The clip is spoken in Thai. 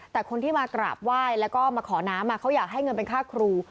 แต่คนที่มากราบไหว้แล้วก็มาขอน้ำเขาอยากให้เงินเป็นค่าครู